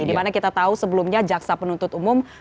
dimana kita tahu sebelumnya jaksa penuntut umum memberikan penyelamat